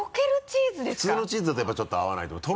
普通のチーズだとやっぱりちょっと合わないと思う。